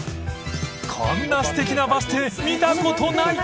［こんなすてきなバス停見たことない！］